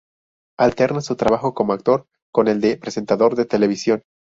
Alterna su trabajo como actor con el de presentador de televisión.